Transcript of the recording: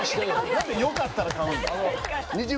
何で良かったら買うんだ？